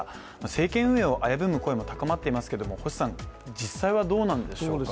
政権運営を危ぶむ声も高まっていますが実際はどうなんでしょうか。